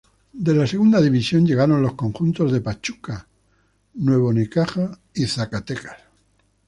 De la Segunda División llegaron los conjuntos de Pachuca, Nuevo Necaxa y Zacatecas.